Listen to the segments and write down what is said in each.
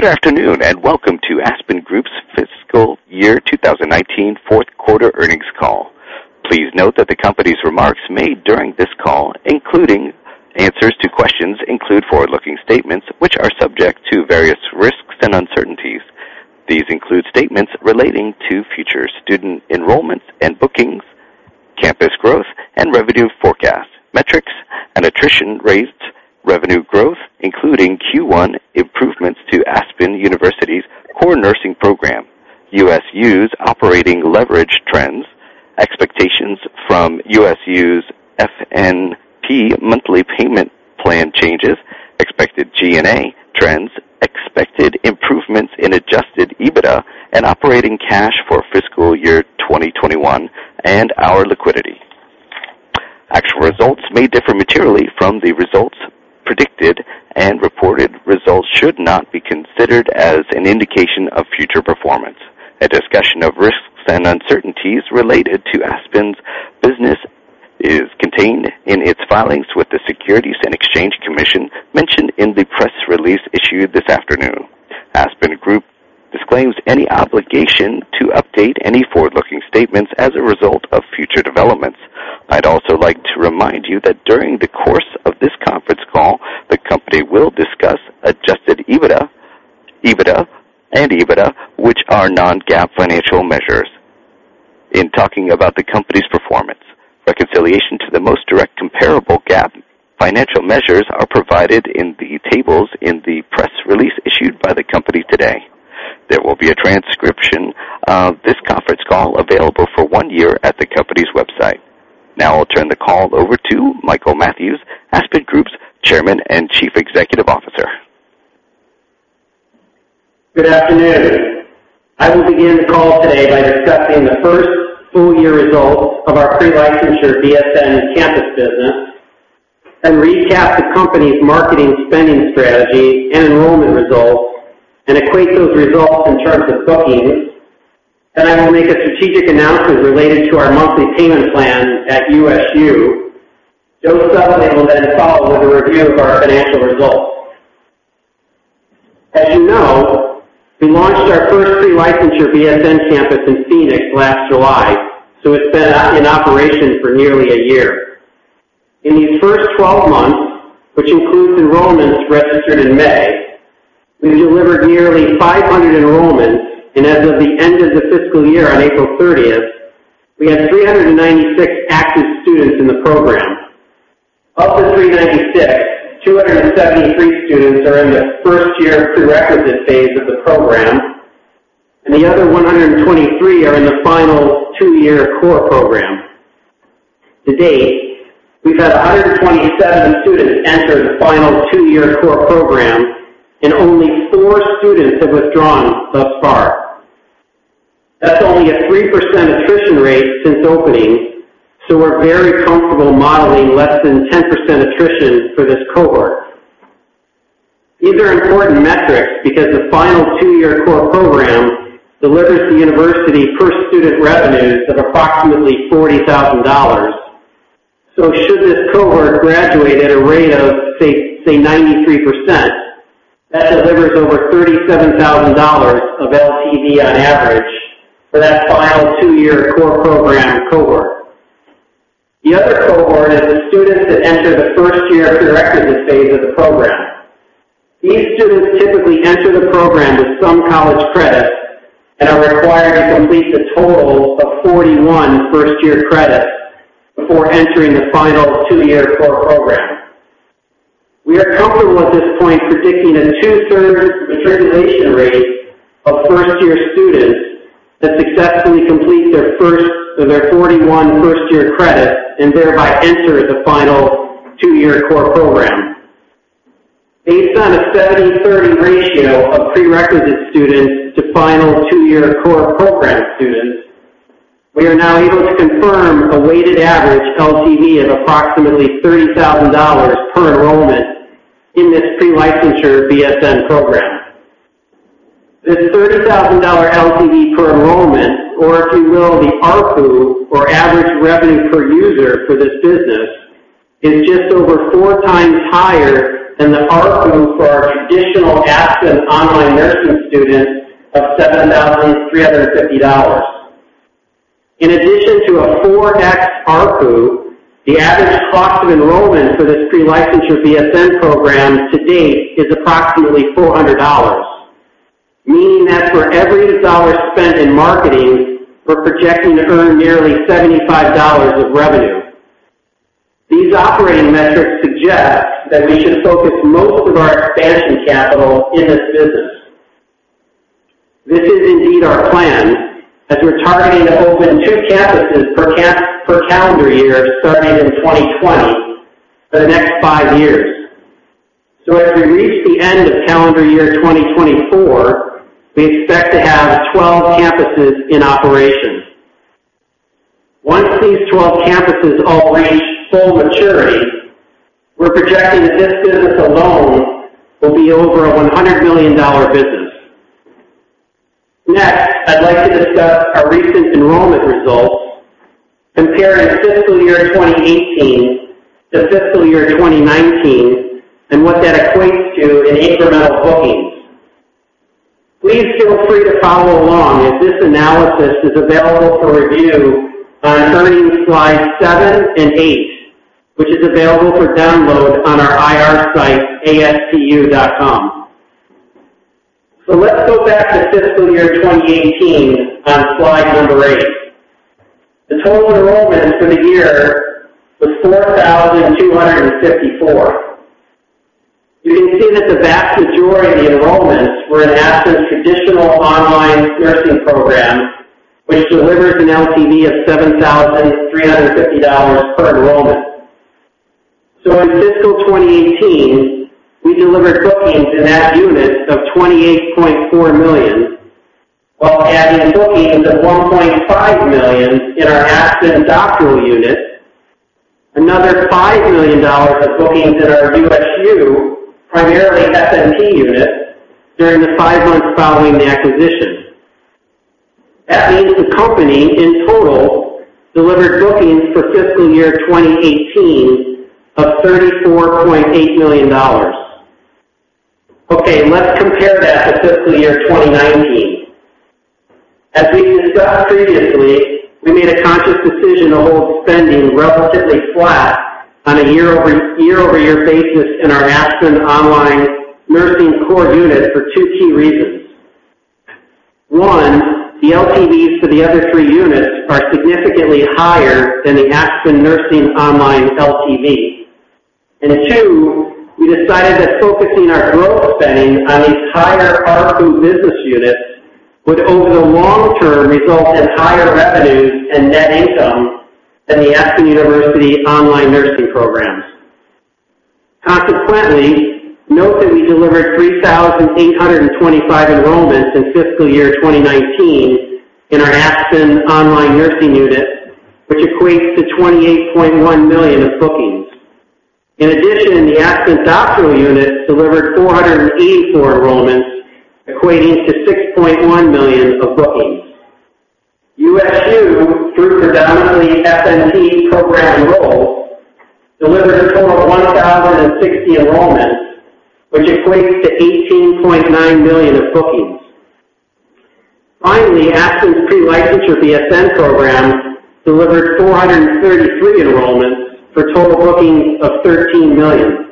Good afternoon, and welcome to Aspen Group's Fiscal Year 2019 fourth quarter earnings call. Please note that the company's remarks made during this call, including answers to questions, include forward-looking statements which are subject to various risks and uncertainties. These include statements relating to future student enrollments and bookings, campus growth, and revenue forecasts, metrics and attrition rates, revenue growth, including Q1 improvements to Aspen University's core nursing program, USU's operating leverage trends, expectations from USU's FNP monthly payment plan changes, expected G&A trends, expected improvements in adjusted EBITDA and operating cash for Fiscal Year 2021, and our liquidity. Actual results may differ materially from the results predicted, and reported results should not be considered as an indication of future performance. A discussion of risks and uncertainties related to Aspen's business is contained in its filings with the Securities and Exchange Commission mentioned in the press release issued this afternoon. Aspen Group disclaims any obligation to update any forward-looking statements as a result of future developments. I'd also like to remind you that during the course of this conference call, the company will discuss adjusted EBITDA, and EBITDA, which are non-GAAP financial measures. In talking about the company's performance, reconciliation to the most direct comparable GAAP financial measures are provided in the tables in the press release issued by the company today. There will be a transcription of this conference call available for one year at the company's website. I'll turn the call over to Michael Mathews, Aspen Group's Chairman and Chief Executive Officer. Good afternoon. I will begin the call today by discussing the first full-year results of our pre-licensure BSN campus business and recap the company's marketing spending strategy and enrollment results and equate those results in terms of bookings. I will make a strategic announcement related to our monthly payment plan at USU. Joe Sutherland will then follow with a review of our financial results. As you know, we launched our first pre-licensure BSN campus in Phoenix last July, so it's been in operation for nearly a year. In these first 12 months, which includes enrollments registered in May, we delivered nearly 500 enrollments, and as of the end of the Fiscal Year on April 30th, we had 396 active students in the program. Of the 396, 273 students are in the first-year prerequisite phase of the program, and the other 123 are in the final two-year core program. To date, we've had 127 students enter the final two-year core program and only four students have withdrawn thus far. That's only a 3% attrition rate since opening. We're very comfortable modeling less than 10% attrition for this cohort. These are important metrics because the final two-year core program delivers the university per student revenues of approximately $40,000. Should this cohort graduate at a rate of, say, 93%, that delivers over $37,000 of LTV on average for that final two-year core program cohort. The other cohort is the students that enter the first-year prerequisite phase of the program. These students typically enter the program with some college credits and are required to complete a total of 41 first-year credits before entering the final two-year core program. We are comfortable at this point predicting a two-thirds matriculation rate of first-year students that successfully complete their 41 first-year credits and thereby enter the final two-year core program. Based on a 70/30 ratio of prerequisite students to final two-year core program students, we are now able to confirm a weighted average LTV of approximately $30,000 per enrollment in this pre-licensure BSN program. This $30,000 LTV per enrollment, or if you will, the ARPU, or Average Revenue Per User for this business, is just over four times higher than the ARPU for our traditional Aspen online nursing students of $7,350. In addition to a 4X ARPU, the average cost of enrollment for this pre-licensure BSN program to date is approximately $400, meaning that for every dollar spent in marketing, we're projecting to earn nearly $75 of revenue. These operating metrics suggest that we should focus most of our expansion capital in this business. This is indeed our plan, as we're targeting to open two campuses per calendar year starting in 2020 for the next five years. As we reach the end of calendar year 2024, we expect to have 12 campuses in operation. Once these 12 campuses all reach full maturity, we're projecting that this business alone will be over a $100 million business. Next, I'd like to discuss our recent enrollment resultsYear 2018 to fiscal year 2019, and what that equates to in incremental bookings. Please feel free to follow along, as this analysis is available for review on earnings slides seven and eight, which is available for download on our IR site, aspu.com. Let's go back to fiscal year 2018 on slide number eight. The total enrollments for the year was 4,254. You can see that the vast majority of the enrollments were in Aspen's traditional online nursing program, which delivers an LTV of $7,350 per enrollment. So in fiscal 2018, we delivered bookings in that unit of $28.4 million, while adding bookings of $1.5 million in our Aspen doctoral unit. Another $5 million of bookings in our USU, primarily FNP unit, during the five months following the acquisition. That means the company, in total, delivered bookings for fiscal year 2018 of $34.8 million. Okay, let's compare that to fiscal year 2019. As we discussed previously, we made a conscious decision to hold spending relatively flat on a year-over-year basis in our Aspen Online Nursing Core unit for two key reasons. One, the LTVs for the other three units are significantly higher than the Aspen Nursing Online LTV. Two, we decided that focusing our growth spending on these higher ARPU business units would, over the long term, result in higher revenues and net income than the Aspen University Online Nursing programs. Consequently, note that we delivered 3,825 enrollments in fiscal year 2019 in our Aspen Online Nursing unit, which equates to $28.1 million of bookings. In addition, the Aspen Doctoral unit delivered 484 enrollments, equating to $6.1 million of bookings. USU, through predominantly FNP program enrolls, delivered a total of 1,060 enrollments, which equates to $18.9 million of bookings. Finally, Aspen's Pre-licensure BSN program delivered 433 enrollments for total bookings of $13 million.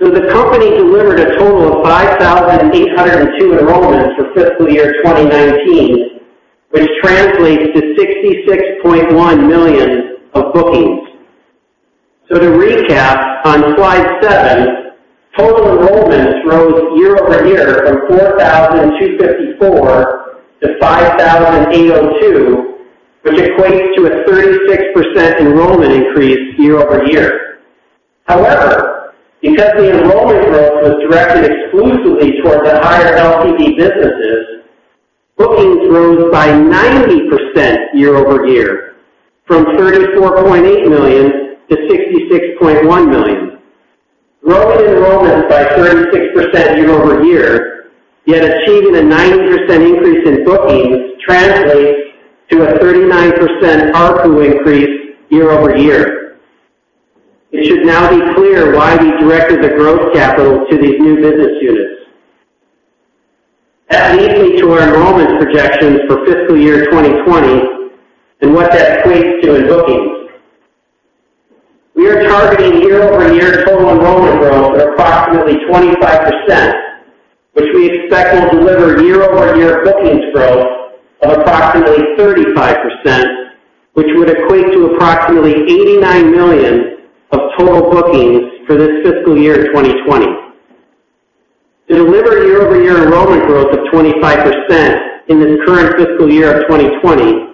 So the company delivered a total of 5,802 enrollments for fiscal year 2019, which translates to $66.1 million of bookings. To recap on slide seven, total enrollments rose year-over-year from 4,254-5,802, which equates to a 36% enrollment increase year-over-year. However, because the enrollment growth was directed exclusively towards the higher LTV businesses, bookings rose by 90% year-over-year from $34.8 million-$66.1 million. Growing enrollments by 36% year-over-year, yet achieving a 90% increase in bookings translates to a 39% ARPU increase year-over-year. It should now be clear why we directed the growth capital to these new business units. That leads me to our enrollment projections for fiscal year 2020 and what that equates to in bookings. We are targeting year-over-year total enrollment growth at approximately 25%, which we expect will deliver year-over-year bookings growth of approximately 35%, which would equate to approximately $89 million of total bookings for this fiscal year 2020. To deliver year-over-year enrollment growth of 25% in this current fiscal year 2020,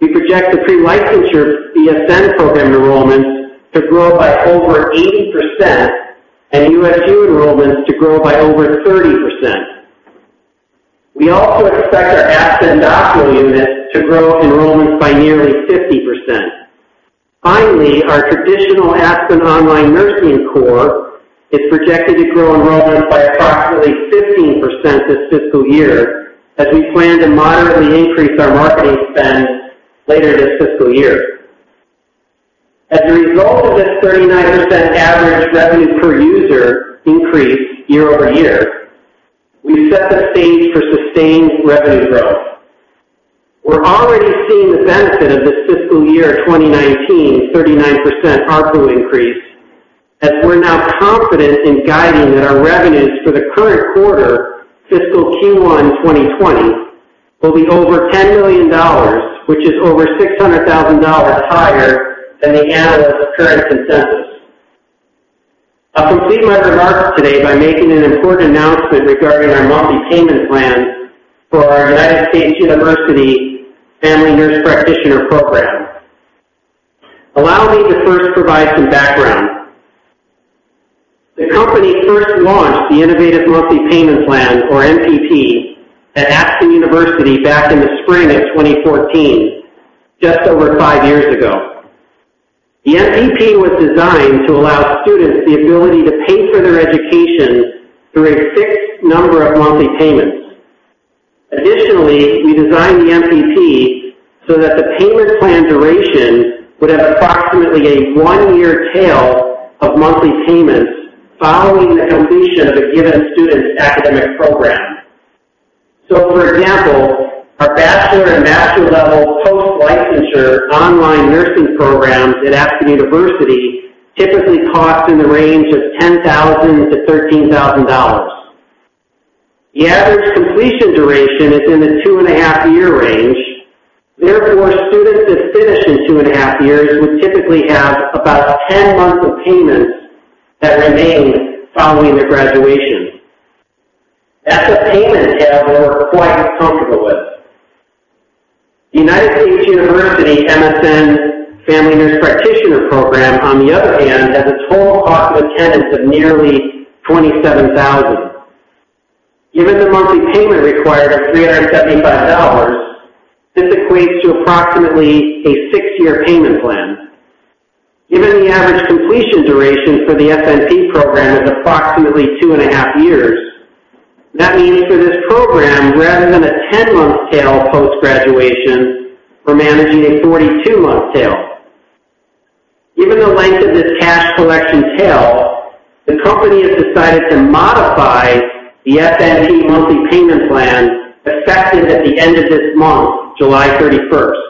we project the Pre-licensure BSN program enrollments to grow by over 80%, and USU enrollments to grow by over 30%. We also expect our Aspen Doctoral unit to grow enrollments by nearly 50%. Finally, our traditional Aspen Online Nursing Core is projected to grow enrollments by approximately 15% this fiscal year, as we plan to moderately increase our marketing spend later this fiscal year. As a result of this 39% average revenue per user increase year-over-year, we've set the stage for sustained revenue growth. We're already seeing the benefit of this fiscal year 2019 39% ARPU increase, as we're now confident in guiding that our revenues for the current quarter, fiscal Q1 2020, will be over $10 million, which is over $600,000 higher than the analyst current consensus. I'll complete my remarks today by making an important announcement regarding our multi-payment plan for our United States University Family Nurse Practitioner program. Allow me to first provide some background. The company first launched the innovative monthly payment plan, or MPP, at Aspen University back in the spring of 2014, just over five years ago. The MPP was designed to allow students the ability to pay for their education through a fixed number of monthly payments. Additionally, we designed the MPP so that the payment plan duration would have approximately a one-year tail of monthly payments following the completion of a given student's academic program. So for example, our bachelor and master level post-licensure online nursing programs at Aspen University typically cost in the range of $10,000-$13,000. The average completion duration is in the two and a half year range. Therefore, students that finish in two and a half years would typically have about 10 months of payments that remain following their graduation. That's a payment tail we're quite comfortable with. The United States University MSN Family Nurse Practitioner program, on the other hand, has a total cost of attendance of nearly $27,000. Given the monthly payment required of $375, this equates to approximately a six-year payment plan. Given the average completion duration for the FNP program is approximately two and a half years, that means for this program, rather than a 10-month tail post-graduation, we're managing a 42-month tail. Given the length of this cash collection tail, the company has decided to modify the FNP monthly payment plan effective at the end of this month, July 31st.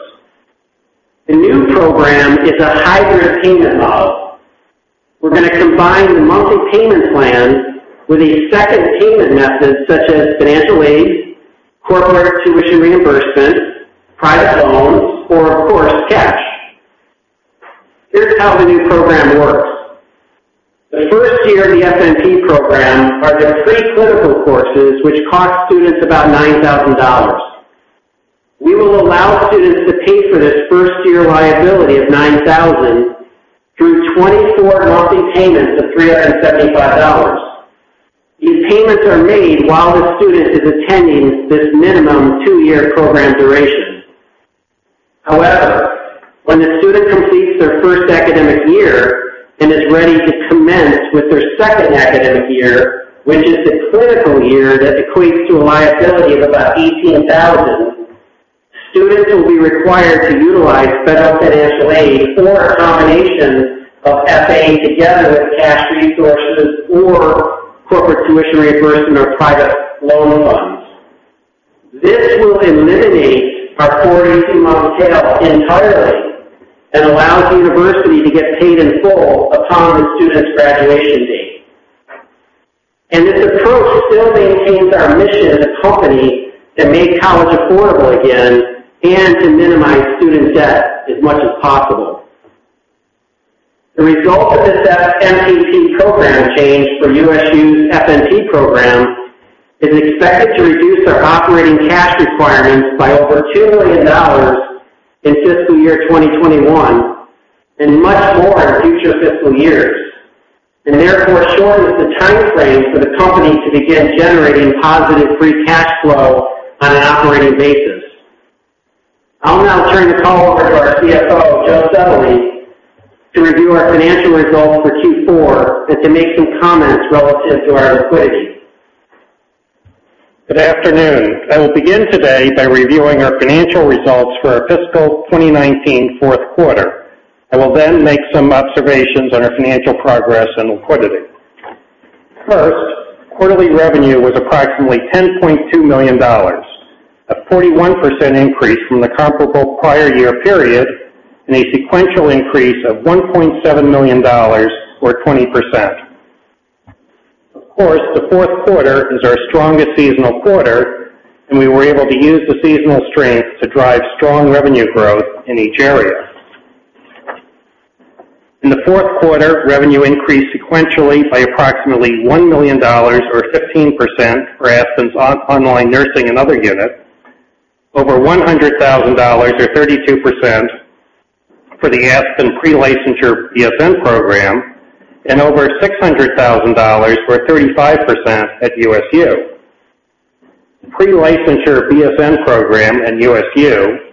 The new program is a hybrid payment model. We're going to combine the monthly payment plan with a second payment method such as financial aid, corporate tuition reimbursement, private loans, or of course, cash. Here's how the new program works. The first year of the FNP program are the pre-clinical courses, which cost students about $9,000. We will allow students to pay for this first year liability of $9,000 through 24 monthly payments of $375. These payments are made while the student is attending this minimum two-year program duration. However, when the student completes their first academic year and is ready to commence with their second academic year, which is the clinical year that equates to a liability of about $18,000, students will be required to utilize federal financial aid or a combination of FAFSA together with cash resources or corporate tuition reimbursement or private loan funds. This will eliminate our 42-month tail entirely and allows the university to get paid in full upon the student's graduation date. This approach still maintains our mission as a company to make college affordable again and to minimize student debt as much as possible. The result of this MPP program change for USU's FNP program is expected to reduce our operating cash requirements by over $2 million in fiscal year 2021, and much more in future fiscal years. Therefore shortens the timeframe for the company to begin generating positive free cash flow on an operating basis. I'll now turn the call over to our CFO, Joe Sevely to review our financial results for Q4 and to make some comments relative to our liquidity. Good afternoon. I will begin today by reviewing our financial results for our fiscal 2019 fourth quarter. I will then make some observations on our financial progress and liquidity. First, quarterly revenue was approximately $10.2 million. A 41% increase from the comparable prior year period and a sequential increase of $1.7 million or 20%. Of course, the fourth quarter is our strongest seasonal quarter, and we were able to use the seasonal strength to drive strong revenue growth in each area. In the fourth quarter, revenue increased sequentially by approximately $1 million or 15% for Aspen's online nursing and other units. Over $100,000 or 32% for the Aspen pre-licensure BSN program and over $600,000 or 35% at USU. Pre-licensure BSN program and USU,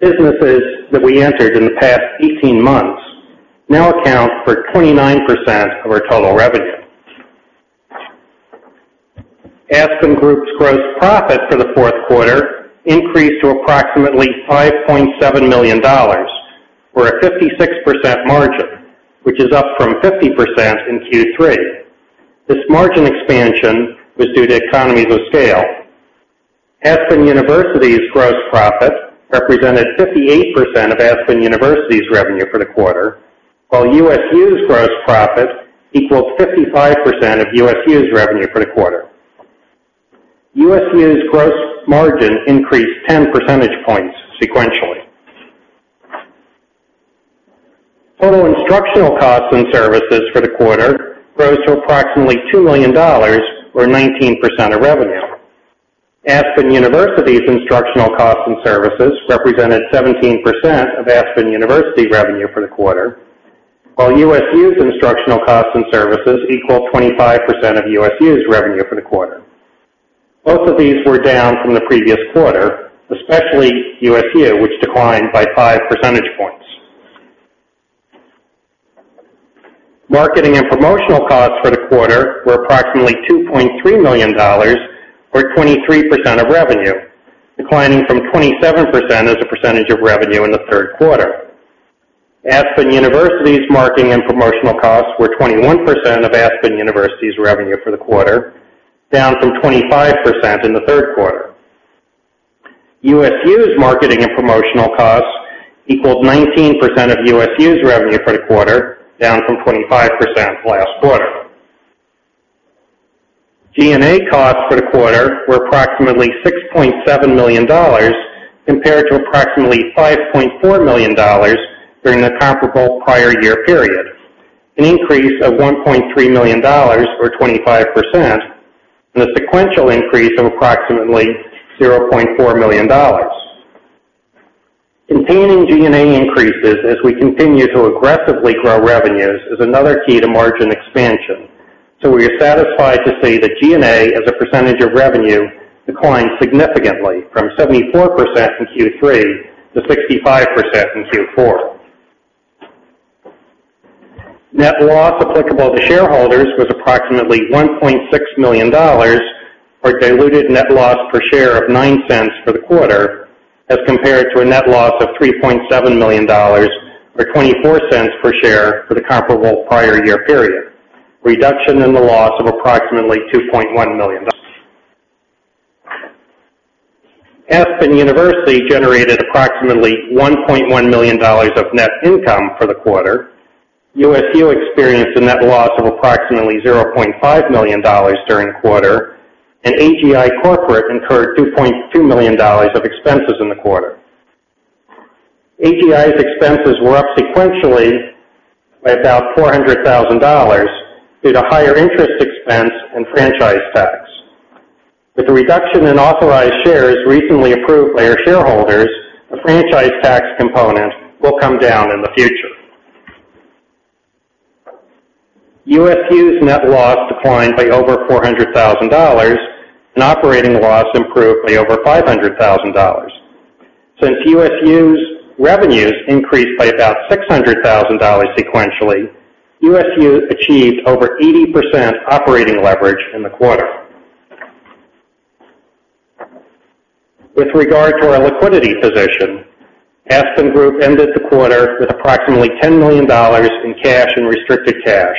businesses that we entered in the past 18 months now account for 29% of our total revenue. Aspen Group's gross profit for the fourth quarter increased to approximately $5.7 million or a 56% margin, which is up from 50% in Q3. This margin expansion was due to economies of scale. Aspen University's gross profit represented 58% of Aspen University's revenue for the quarter, while USU's gross profit equals 55% of USU's revenue for the quarter. USU's gross margin increased 10 percentage points sequentially. Total instructional costs and services for the quarter rose to approximately $2 million or 19% of revenue. Aspen University's instructional costs and services represented 17% of Aspen University revenue for the quarter. While USU's instructional costs and services equal 25% of USU's revenue for the quarter. Both of these were down from the previous quarter, especially USU, which declined by five percentage points. Marketing and promotional costs for the quarter were approximately $2.3 million, or 23% of revenue, declining from 27% as a percentage of revenue in the third quarter. Aspen University's marketing and promotional costs were 21% of Aspen University's revenue for the quarter, down from 25% in the third quarter. USU's marketing and promotional costs equaled 19% of USU's revenue for the quarter, down from 25% last quarter. G&A costs for the quarter were approximately $6.7 million compared to approximately $5.4 million during the comparable prior year period, an increase of $1.3 million, or 25%, and a sequential increase of approximately $0.4 million. Containing G&A increases as we continue to aggressively grow revenues is another key to margin expansion. We are satisfied to see that G&A, as a percentage of revenue, declined significantly from 74% in Q3 to 65% in Q4. Net loss applicable to shareholders was approximately $1.6 million, or diluted net loss per share of $0.09 for the quarter as compared to a net loss of $3.7 million, or $0.24 per share for the comparable prior year period. Reduction in the loss of approximately $2.1 million. Aspen University generated approximately $1.1 million of net income for the quarter. USU experienced a net loss of approximately $0.5 million during the quarter, and AGI Corporate incurred $2.2 million of expenses in the quarter. AGI's expenses were up sequentially by about $400,000 due to higher interest expense and franchise tax. With the reduction in authorized shares recently approved by our shareholders, the franchise tax component will come down in the future. USU's net loss declined by over $400,000, and operating loss improved by over $500,000. USU's revenues increased by about $600,000 sequentially, USU achieved over 80% operating leverage in the quarter. With regard to our liquidity position, Aspen Group ended the quarter with approximately $10 million in cash and restricted cash,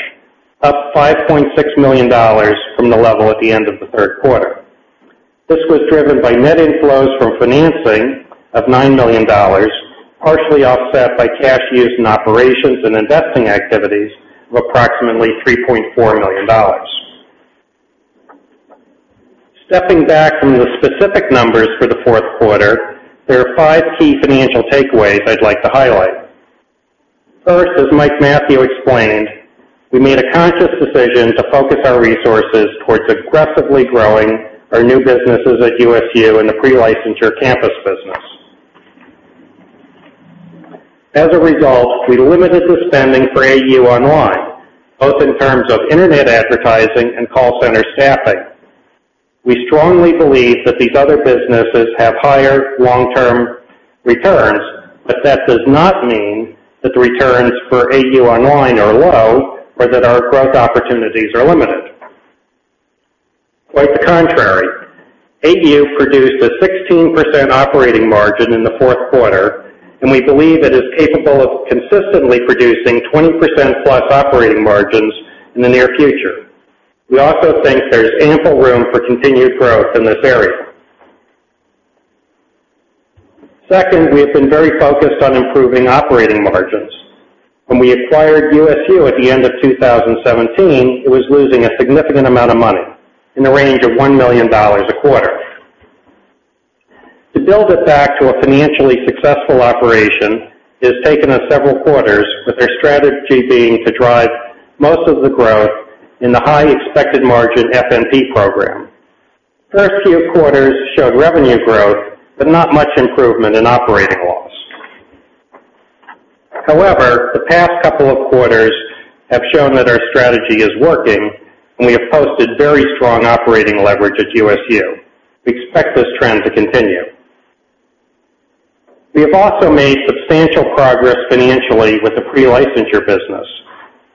up $5.6 million from the level at the end of the third quarter. This was driven by net inflows from financing of $9 million, partially offset by cash used in operations and investing activities of approximately $3.4 million. Stepping back from the specific numbers for the fourth quarter, there are five key financial takeaways I'd like to highlight. First, as Mike Matthews explained, we made a conscious decision to focus our resources towards aggressively growing our new businesses at USU and the pre-licensure campus business. As a result, we limited the spending for AU Online, both in terms of internet advertising and call center staffing. We strongly believe that these other businesses have higher long-term returns, but that does not mean that the returns for AU Online are low or that our growth opportunities are limited. Quite the contrary. AU produced a 16% operating margin in the fourth quarter, and we believe it is capable of consistently producing 20% plus operating margins in the near future. We also think there's ample room for continued growth in this area. Second, we have been very focused on improving operating margins. When we acquired USU at the end of 2017, it was losing a significant amount of money, in the range of $1 million a quarter. To build it back to a financially successful operation has taken us several quarters, with our strategy being to drive most of the growth in the high expected margin FNP program. First few quarters showed revenue growth, but not much improvement in operating loss. However, the past couple of quarters have shown that our strategy is working, and we have posted very strong operating leverage at USU. We expect this trend to continue. We have also made substantial progress financially with the pre-licensure business.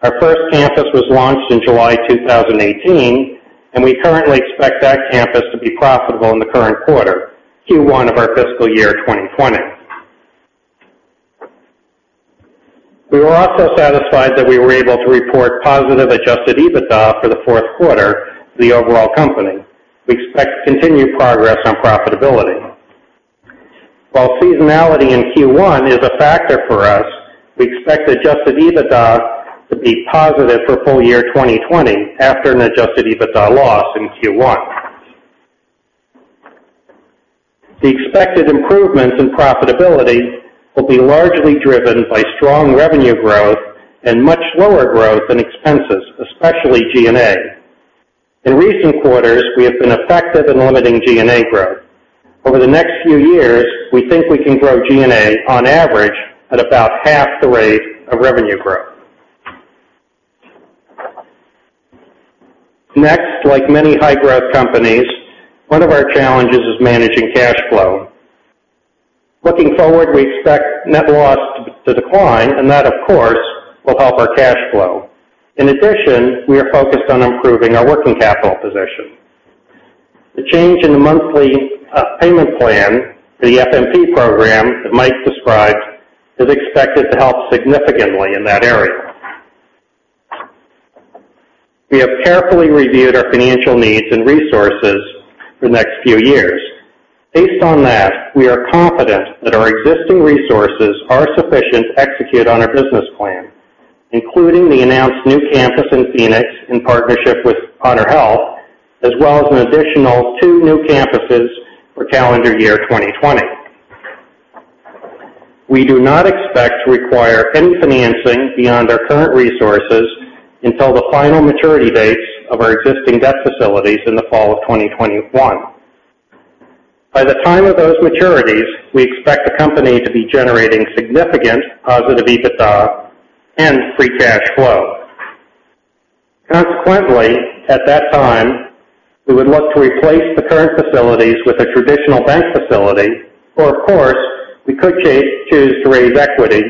Our first campus was launched in July 2018, and we currently expect that campus to be profitable in the current quarter, Q1 of our fiscal year 2020. We were also satisfied that we were able to report positive adjusted EBITDA for the fourth quarter for the overall company. We expect continued progress on profitability. While seasonality in Q1 is a factor for us, we expect adjusted EBITDA to be positive for full year 2020 after an adjusted EBITDA loss in Q1. The expected improvements in profitability will be largely driven by strong revenue growth and much lower growth in expenses, especially G&A. In recent quarters, we have been effective in limiting G&A growth. Over the next few years, we think we can grow G&A on average at about half the rate of revenue growth. Next, like many high-growth companies, one of our challenges is managing cash flow. Looking forward, we expect net loss to decline, and that, of course, will help our cash flow. In addition, we are focused on improving our working capital position. The change in the monthly payment plan, the MPP program that Mike described, is expected to help significantly in that area. We have carefully reviewed our financial needs and resources for the next few years. Based on that, we are confident that our existing resources are sufficient to execute on our business plan, including the announced new campus in Phoenix in partnership with HonorHealth, as well as an additional two new campuses for calendar year 2020. We do not expect to require any financing beyond our current resources until the final maturity dates of our existing debt facilities in the fall of 2021. By the time of those maturities, we expect the company to be generating significant positive EBITDA and free cash flow. Consequently, at that time, we would look to replace the current facilities with a traditional bank facility, or, of course, we could choose to raise equity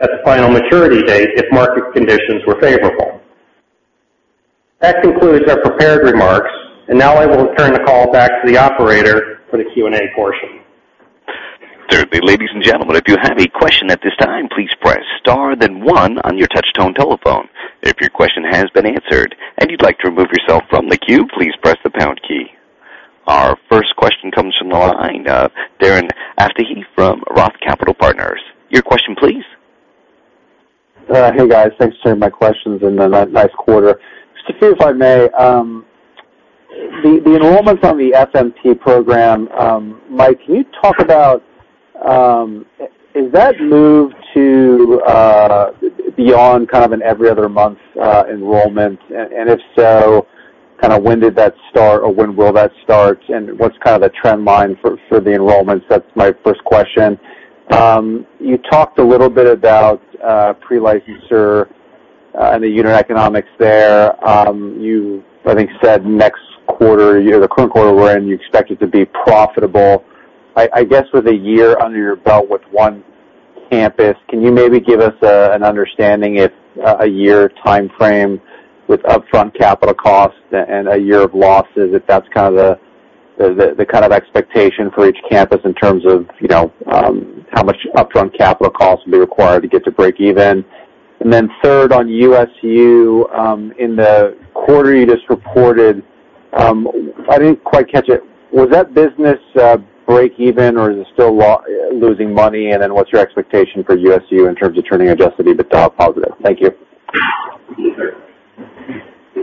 at the final maturity date if market conditions were favorable. That concludes our prepared remarks. Now I will return the call back to the operator for the Q&A portion. Ladies and gentlemen, if you have a question at this time, please press star, then one on your touch-tone telephone. If your question has been answered and you'd like to remove yourself from the queue, please press the pound key. Our first question comes from the line of Darren Aftahi from ROTH Capital Partners. Your question, please. Hey, guys. Thanks for taking my questions, and nice quarter. Just to see, if I may, the enrollments on the FNP program, Mike, can you talk about, has that moved to beyond kind of an every other month enrollment? If so, when did that start or when will that start? What's the trend line for the enrollments? That's my first question. You talked a little bit about pre-licensure and the unit economics there. You, I think, said next quarter or the current quarter we're in, you expect it to be profitable. I guess with a year under your belt with one campus, can you maybe give us an understanding if a year timeframe with upfront capital costs and a year of losses, if that's the kind of expectation for each campus in terms of how much upfront capital costs will be required to get to break even? Third, on USU, in the quarter you just reported, I didn't quite catch it. Was that business break even or is it still losing money? What's your expectation for USU in terms of turning adjusted EBITDA positive? Thank you.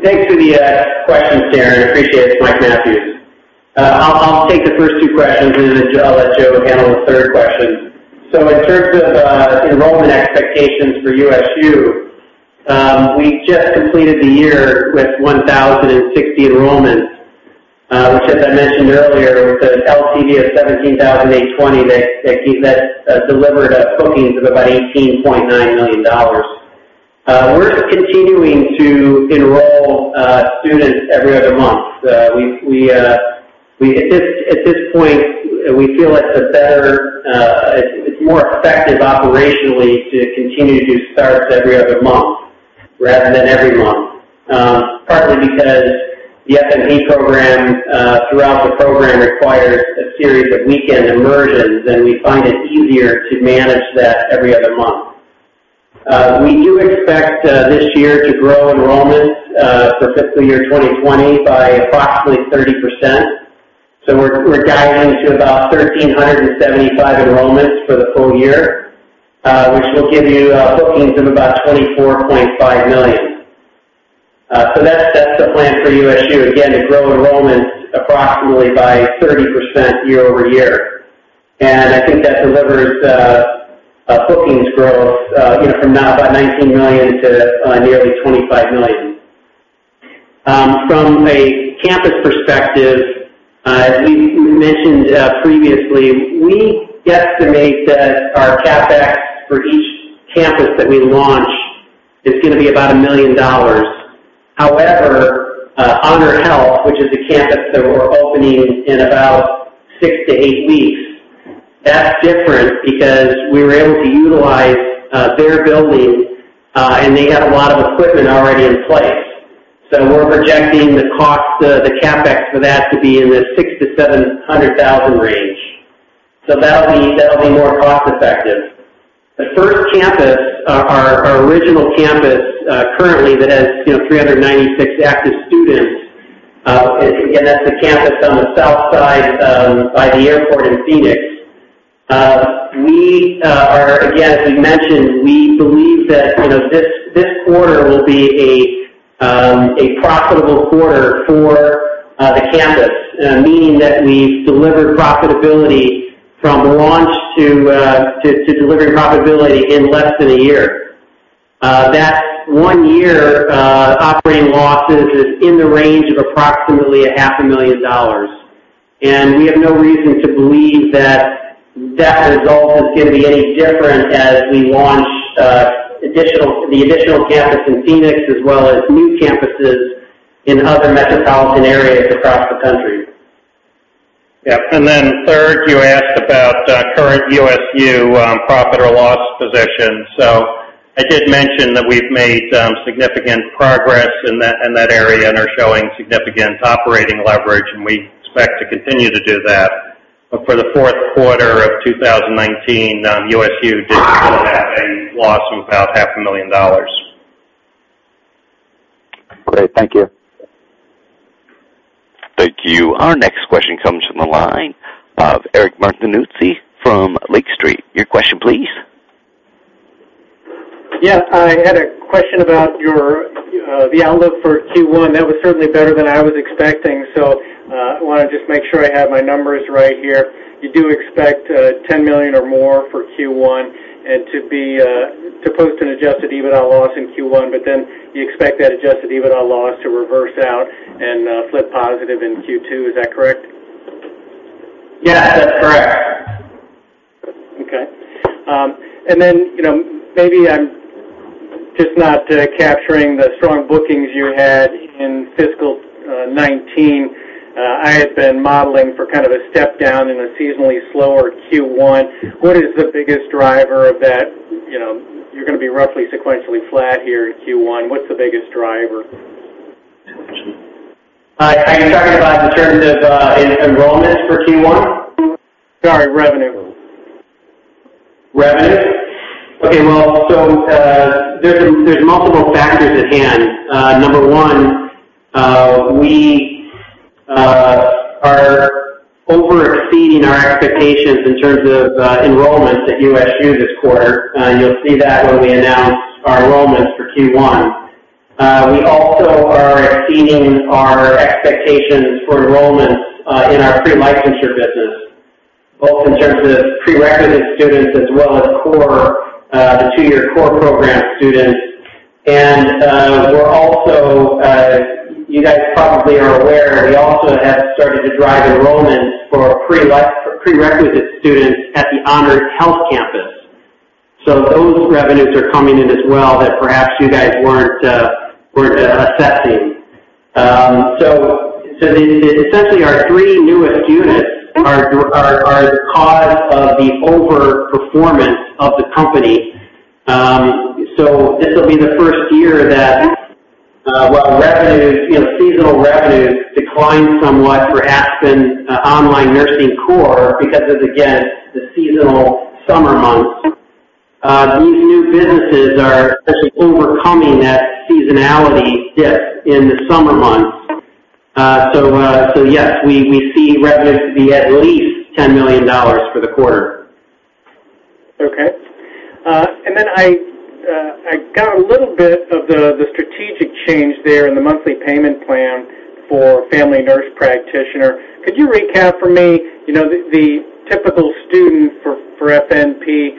Thanks for the questions, Darren. Appreciate it. It's Mike Mathews. I'll take the first two questions, I'll let Joe handle the third question. In terms of enrollment expectations for USU, we just completed the year with 1,060 enrollments, which, as I mentioned earlier, with an LTV of $17,820 that delivered bookings of about $18.9 million. We're continuing to enroll students every other month. At this point, we feel it's more effective operationally to continue to start every other month rather than every month, partly because the FNP program, throughout the program, requires a series of weekend immersions, and we find it easier to manage that every other month. We do expect this year to grow enrollments for fiscal year 2020 by approximately 30%. We're guiding to about 1,375 enrollments for the full year, which will give you bookings of about $24.5 million. That's the plan for USU, again, to grow enrollments approximately by 30% year-over-year. I think that delivers a bookings growth from now about $19 million to nearly $25 million. From a campus perspective, as we mentioned previously, we guesstimate that our CapEx for each campus that we launch is going to be about $1 million. However, HonorHealth, which is a campus that we're opening in about six to eight weeks, that's different because we were able to utilize their building, and they had a lot of equipment already in place. We're projecting the cost, the CapEx for that to be in the $600,000-$700,000 range. That'll be more cost-effective. The first campus, our original campus currently that has 396 active students, again, that's the campus on the south side by the airport in Phoenix. As we mentioned, we believe that this quarter will be a profitable quarter for the campus, meaning that we've delivered profitability from launch to delivering profitability in less than a year. That one-year operating losses is in the range of approximately a half a million dollars. We have no reason to believe that that result is going to be any different as we launch the additional campus in Phoenix as well as new campuses in other metropolitan areas across the country. Third, you asked about current USU profit or loss position. I did mention that we've made significant progress in that area and are showing significant operating leverage, we expect to continue to do that. For the fourth quarter of 2019, USU did have a loss of about half a million dollars. Great. Thank you. Thank you. Our next question comes from the line of Eric Martinuzzi from Lake Street. Your question, please. I had a question about the outlook for Q1. That was certainly better than I was expecting. I want to just make sure I have my numbers right here. You do expect $10 million or more for Q1, and to post an adjusted EBITDA loss in Q1, you expect that adjusted EBITDA loss to reverse out and flip positive in Q2. Is that correct? Yes, that's correct. Okay. Maybe I'm just not capturing the strong bookings you had in fiscal 2019. I had been modeling for kind of a step down in a seasonally slower Q1. What is the biggest driver of that? You're going to be roughly sequentially flat here in Q1. What's the biggest driver? Are you talking about in terms of enrollment for Q1? Sorry, revenue. Revenue? Okay. There's multiple factors at hand. Number one, we are over-exceeding our expectations in terms of enrollment at USU this quarter. You'll see that when we announce our enrollments for Q1. We also are exceeding our expectations for enrollments in our pre-licensure business, both in terms of prerequisite students as well as the two-year CORE program students. You guys probably are aware, we also have started to drive enrollments for prerequisite students at the HonorHealth campus. Those revenues are coming in as well that perhaps you guys weren't assessing. Essentially, our three newest units are the cause of the over-performance of the company. This will be the first year that while seasonal revenues decline somewhat for Aspen Online Nursing CORE because of, again, the seasonal summer months. These new businesses are essentially overcoming that seasonality dip in the summer months. Yes, we see revenue to be at least $10 million for the quarter. I got a little bit of the strategic change there in the monthly payment plan for Family Nurse Practitioner. Could you recap for me, the typical student for FNP,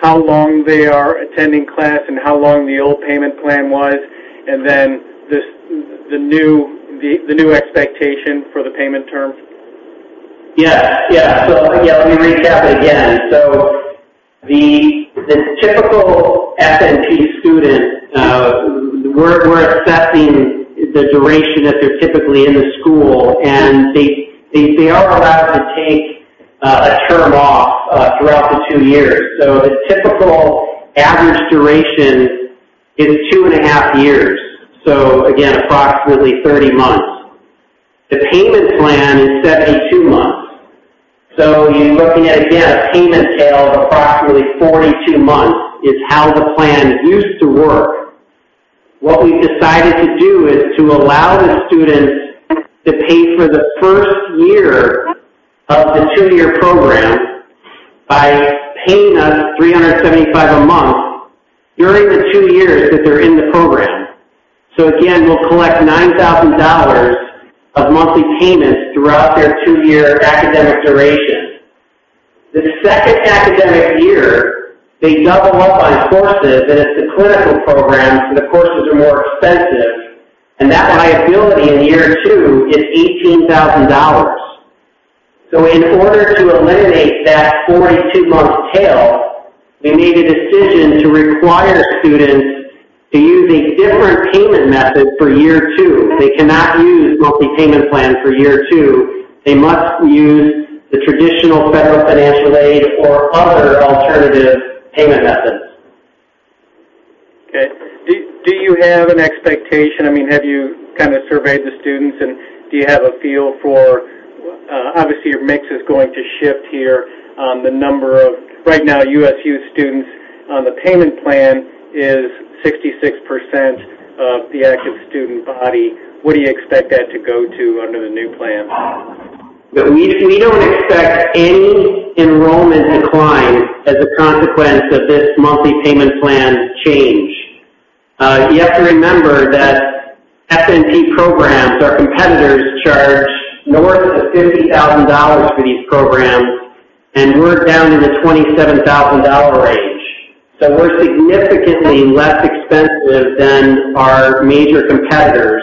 how long they are attending class and how long the old payment plan was, and then the new expectation for the payment term? Let me recap again. The typical FNP student, we're assessing the duration that they're typically in the school, and they are allowed to take a term off throughout the two years. The typical average duration is two and a half years. Again, approximately 30 months. The payment plan is 72 months. You're looking at, again, a payment tail of approximately 42 months is how the plan used to work. What we've decided to do is to allow the students to pay for the first year of the two-year program by paying us $375 a month during the two years that they're in the program. Again, we'll collect $9,000 of monthly payments throughout their two-year academic duration. The second academic year, they double up on courses, and it's the clinical programs, and the courses are more expensive. That liability in year two is $18,000. In order to eliminate that 42-month tail, we made a decision to require students to use a different payment method for year two. They cannot use monthly payment plan for year two. They must use the traditional federal financial aid or other alternative payment methods. Okay. Do you have an expectation, have you kind of surveyed the students, and do you have a feel for Obviously, your mix is going to shift here on the number of, right now, USU students on the payment plan is 66% of the active student body. What do you expect that to go to under the new plan? We don't expect any enrollment decline as a consequence of this monthly payment plan change. You have to remember that FNP programs, our competitors charge north of $50,000 for these programs, and we're down in the $27,000 range. We're significantly less expensive than our major competitors.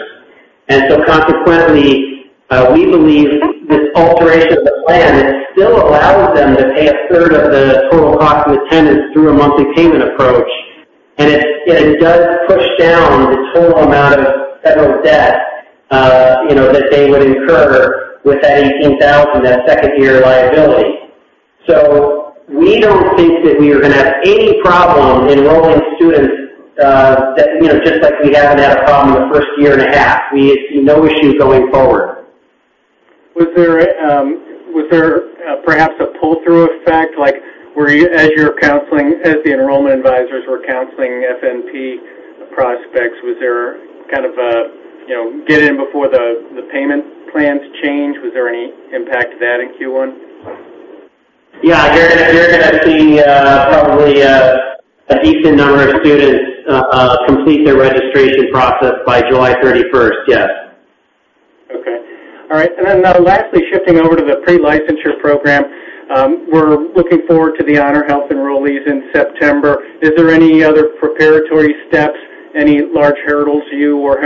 Consequently, we believe this alteration of the plan, it still allows them to pay a third of the total cost of attendance through a monthly payment approach. It does push down the total amount of federal debt that they would incur with that $18,000, that second-year liability. We don't think that we are going to have any problem enrolling students, just like we haven't had a problem the first year and a half. We see no issues going forward. Was there perhaps a pull-through effect? As the enrollment advisors were counseling FNP prospects, was there kind of a get in before the payment plans change? Was there any impact of that in Q1? Yeah. You're going to see probably a decent number of students complete their registration process by July 31st. Yes. Okay. All right. Lastly, shifting over to the pre-licensure program. We're looking forward to the HonorHealth enrollees in September. Is there any other preparatory steps, any large hurdles you or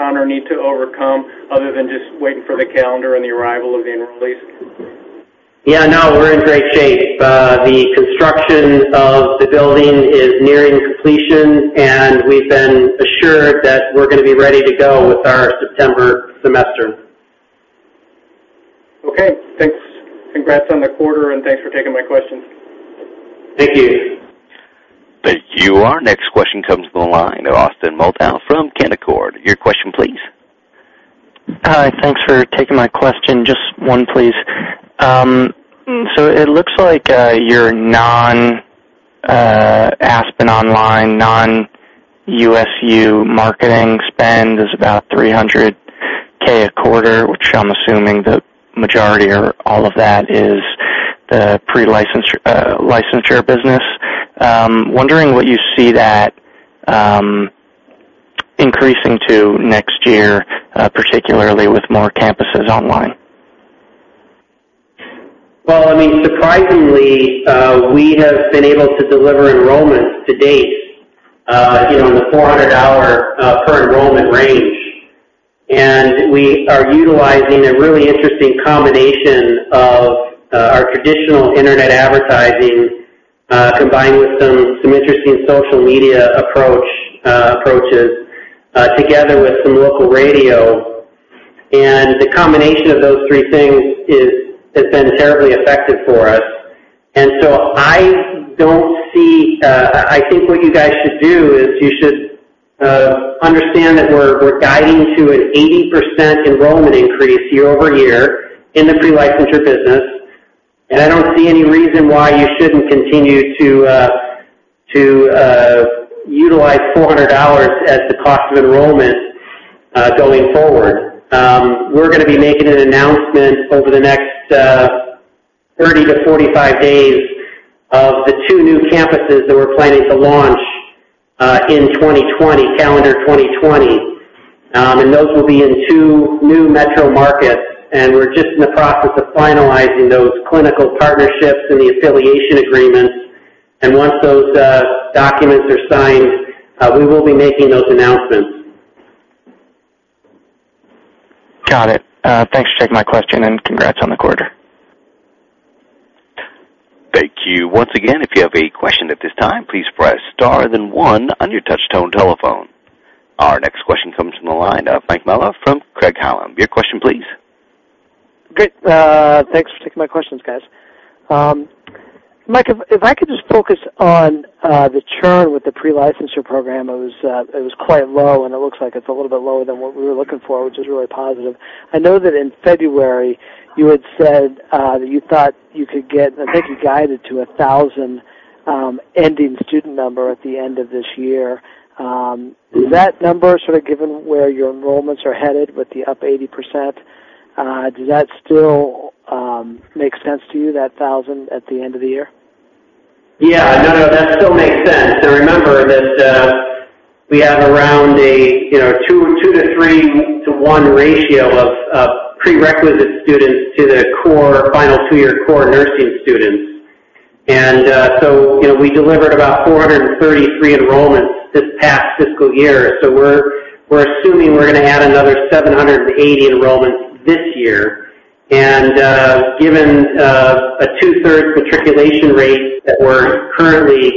Honor need to overcome other than just waiting for the calendar and the arrival of the enrollees? Yeah, no, we're in great shape. The construction of the building is nearing completion, and we've been assured that we're going to be ready to go with our September semester. Okay, thanks. Congrats on the quarter, and thanks for taking my questions. Thank you. Thank you. Our next question comes from the line of Austin Moldow from Canaccord. Your question, please. Hi. Thanks for taking my question. Just one, please. It looks like your non-Aspen Online, non-USU marketing spend is about $300K a quarter, which I'm assuming the majority or all of that is the pre-licensure business. Wondering what you see that increasing to next year, particularly with more campuses online. Surprisingly, we have been able to deliver enrollments to date in the $400 per enrollment range. We are utilizing a really interesting combination of our traditional internet advertising, combined with some interesting social media approaches, together with some local radio. The combination of those three things has been terribly effective for us. I think what you guys should do is you should understand that we're guiding to an 80% enrollment increase year-over-year in the pre-licensure business, and I don't see any reason why you shouldn't continue to utilize $400 as the cost of enrollment going forward. We're going to be making an announcement over the next 30-45 days of the two new campuses that we're planning to launch in calendar 2020. Those will be in two new metro markets, and we're just in the process of finalizing those clinical partnerships and the affiliation agreements. Once those documents are signed, we will be making those announcements. Got it. Thanks for taking my question, and congrats on the quarter. Thank you. Once again, if you have a question at this time, please press star, then one on your touchtone telephone. Our next question comes from the line of Mike Malo from Craig-Hallum. Your question, please. Great. Thanks for taking my questions, guys. Mike, if I could just focus on the churn with the pre-licensure program. It was quite low, and it looks like it's a little bit lower than what we were looking for, which is really positive. I know that in February you had said that you thought you could get, I think you guided to 1,000 ending student number at the end of this year. That number, sort of given where your enrollments are headed with the up 80%, does that still make sense to you, that 1,000 at the end of the year? Yeah. No, that still makes sense. Remember that we have around a two to three to one ratio of prerequisite students to the core final two-year core nursing students. We delivered about 433 enrollments this past fiscal year. We're assuming we're going to add another 780 enrollments this year. Given a two-thirds matriculation rate that we're currently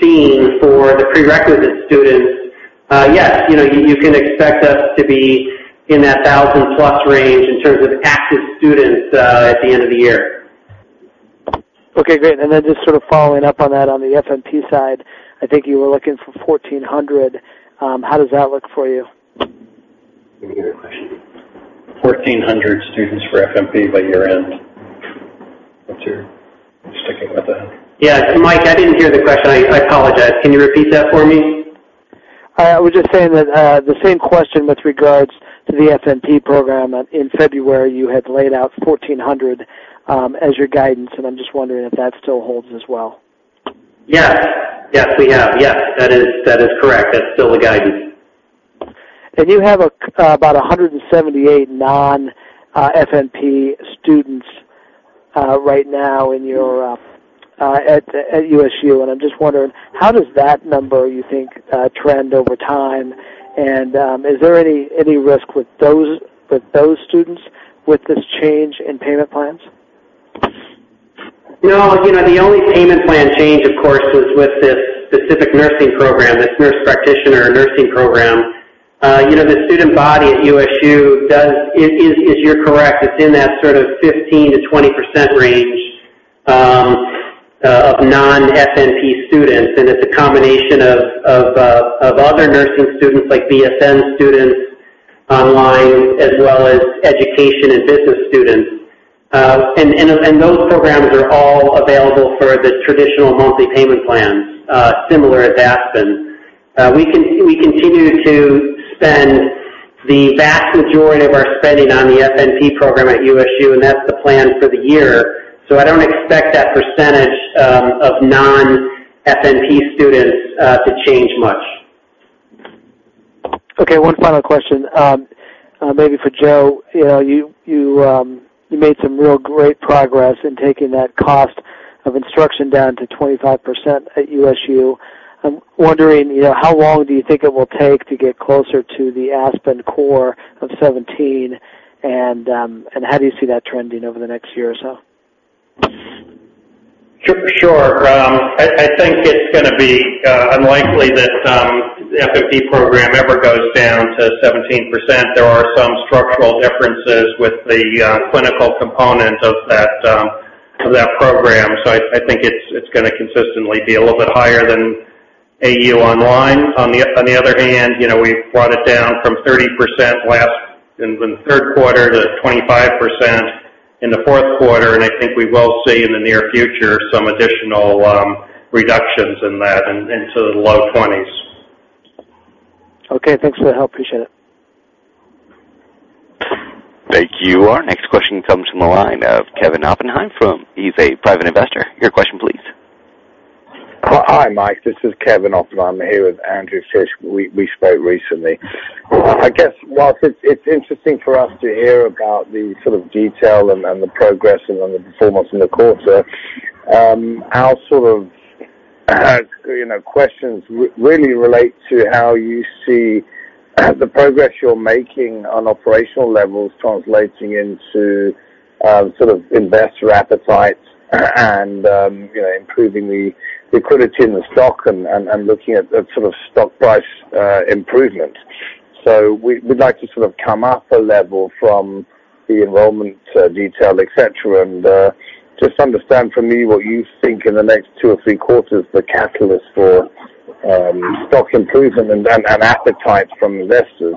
seeing for the prerequisite students, yes, you can expect us to be in that 1,000-plus range in terms of active students at the end of the year. Okay, great. Just sort of following up on that, on the FNP side, I think you were looking for 1,400. How does that look for you? Let me hear the question. 1,400 students for FNP by year-end. Just thinking about that. Yeah. Mike, I didn't hear the question. I apologize. Can you repeat that for me? I was just saying that the same question with regards to the FNP program. In February, you had laid out 1,400 as your guidance, and I'm just wondering if that still holds as well. Yes. Yes, we have. Yes, that is correct. That's still the guidance. You have about 178 non-FNP students right now at USU. I'm just wondering, how does that number, you think, trend over time? Is there any risk with those students with this change in payment plans? No, the only payment plan change, of course, was with this specific nursing program, this nurse practitioner nursing program. The student body at USU. You're correct. It's in that sort of 15%-20% range of non-FNP students, and it's a combination of other nursing students, like BSN students online, as well as education and business students. Those programs are all available for the traditional monthly payment plans, similar as Aspen. We continue to spend the vast majority of our spending on the FNP program at USU. That's the plan for the year. I don't expect that percentage of non-FNP students to change much. Okay, one final question, maybe for Joe. You made some real great progress in taking that cost of instruction down to 25% at USU. I'm wondering, how long do you think it will take to get closer to the Aspen core of 17, and how do you see that trending over the next year or so? Sure. I think it's going to be unlikely that the FNP program ever goes down to 17%. There are some structural differences with the clinical component of that program. I think it's going to consistently be a little bit higher than AU Online. On the other hand, we've brought it down from 30% in the third quarter to 25% in the fourth quarter, and I think we will see in the near future some additional reductions in that into the low 20s. Okay, thanks for the help. Appreciate it. Thank you. Our next question comes from the line of [Kevin Oppenheim]. He's a private investor. Your question please. Hi, Mike, this is [Kevin Oppenheim] here with Andrew Fish. We spoke recently. I guess, whilst it's interesting for us to hear about the sort of detail and the progress and the performance in the quarter, our sort of questions really relate to how you see the progress you're making on operational levels translating into sort of investor appetite and improving the liquidity in the stock and looking at the sort of stock price improvement. We'd like to sort of come up a level from the enrollment detail, et cetera, and just understand from you what you think in the next two or three quarters the catalyst for stock improvement and then have appetite from investors.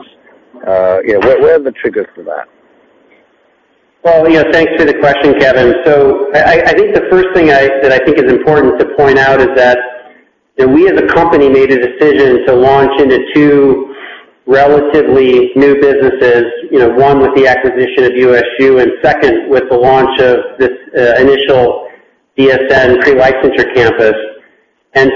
Where are the triggers for that? Well, thanks for the question,[ Kevin]. I think the first thing that I think is important to point out is that we as a company made a decision to launch into two relatively new businesses. One with the acquisition of USU, and second with the launch of this initial BSN pre-licensure campus.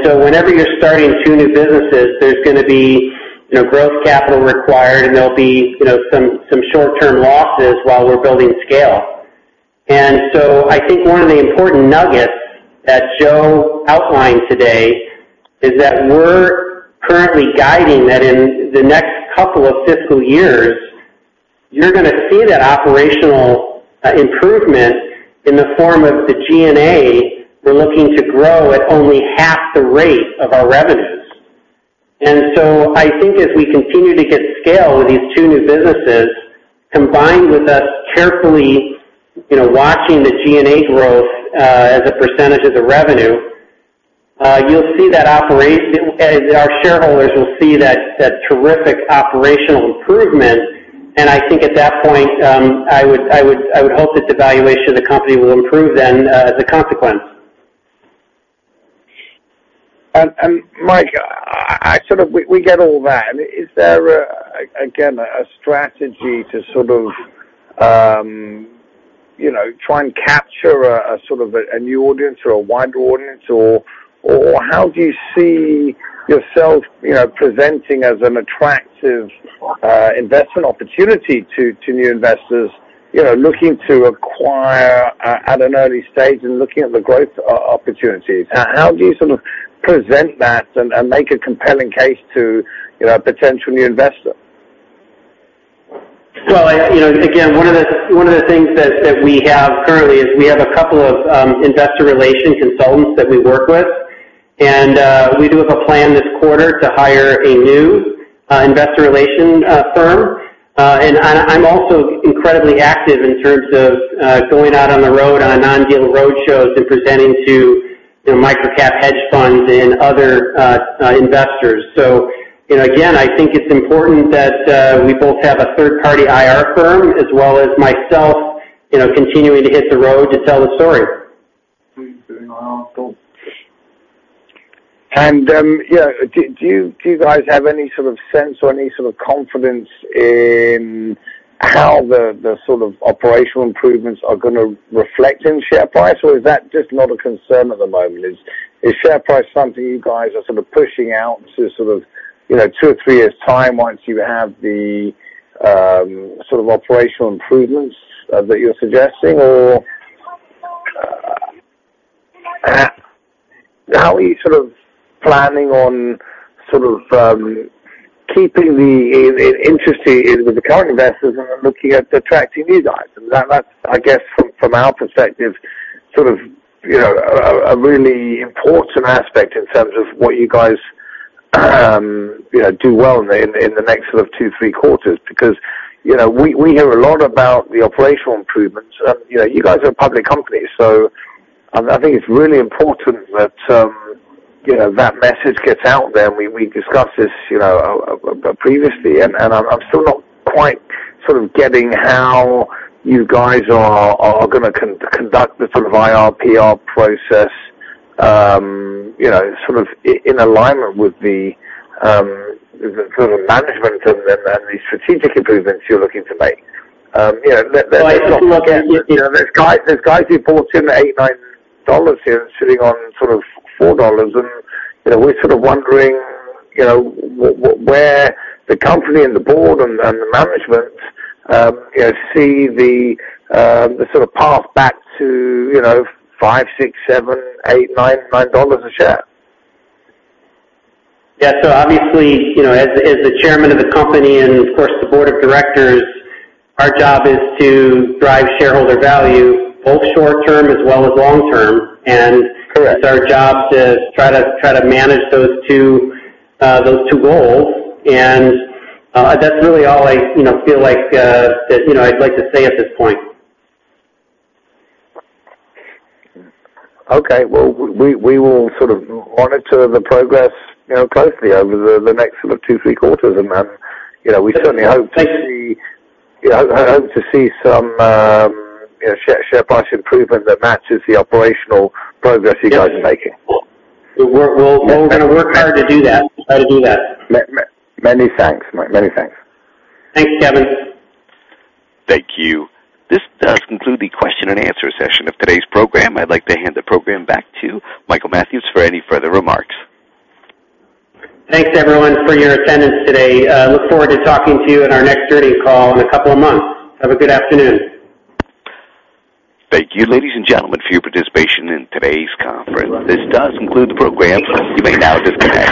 Whenever you're starting two new businesses, there's going to be growth capital required, and there'll be some short-term losses while we're building scale. I think one of the important nuggets that Joe outlined today is that we're currently guiding that in the next couple of fiscal years, you're going to see that operational improvement in the form of the G&A we're looking to grow at only half the rate of our revenues. I think as we continue to get scale with these two new businesses, combined with us carefully watching the G&A growth as a percentage of the revenue, our shareholders will see that terrific operational improvement, and I think at that point, I would hope that the valuation of the company will improve then as a consequence. Mike, we get all that. Is there, again, a strategy to sort of try and capture a new audience or a wider audience? How do you see yourself presenting as an attractive investment opportunity to new investors looking to acquire at an early stage and looking at the growth opportunities? How do you sort of present that and make a compelling case to a potential new investor? Well, again, one of the things that we have currently is we have a couple of investor relation consultants that we work with, and we do have a plan this quarter to hire a new investor relation firm. I'm also incredibly active in terms of going out on the road on non-deal roadshows and presenting to micro-cap hedge funds and other investors. Again, I think it's important that we both have a third-party IR firm as well as myself continuing to hit the road to tell the story. Do you guys have any sort of sense or any sort of confidence in how the operational improvements are going to reflect in share price? Or is that just not a concern at the moment? Is share price something you guys are pushing out to two or three years time once you have the operational improvements that you're suggesting? Or how are you planning on keeping the interest with the current investors and then looking at attracting new guys? That's, I guess, from our perspective, a really important aspect in terms of what you guys do well in the next two, three quarters. Because we hear a lot about the operational improvements. You guys are a public company, I think it's really important that that message gets out there, and we discussed this previously, and I'm still not quite getting how you guys are going to conduct the IR/PR process in alignment with the management and the strategic improvements you're looking to make. Well, I think. There's guys who bought $7-$8, $9 here sitting on $4. We're wondering where the company and the board and the management see the path back to $5, $6, $7, $8, $9 a share. Yeah. Obviously, as the Chairman of the company and of course the board of directors, our job is to drive shareholder value, both short-term as well as long-term. Correct. It's our job to try to manage those two goals. That's really all I feel like that I'd like to say at this point. Okay. Well, we will monitor the progress closely over the next two, three quarters. We certainly hope to see some share price improvement that matches the operational progress you guys are making. We'll work hard to do that. Try to do that. Many thanks. Thanks, [Kevin]. Thank you. This does conclude the question and answer session of today's program. I'd like to hand the program back to Michael Mathews for any further remarks. Thanks everyone for your attendance today. Look forward to talking to you in our next earnings call in a couple of months. Have a good afternoon. Thank you, ladies and gentlemen, for your participation in today's conference. This does conclude the program. You may now disconnect.